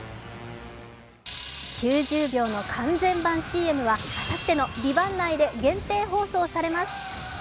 ９０秒の完全版ＣＭは、あさっての「ＶＩＶＡＮＴ」内で限定放送されます。